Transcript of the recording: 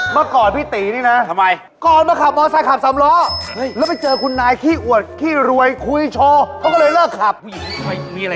เมื่อก่อนพี่ตีนี่น่ะ